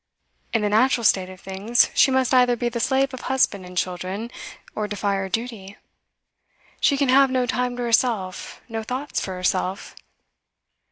In the natural state of things, she must either be the slave of husband and children, or defy her duty. She can have no time to herself, no thoughts for herself.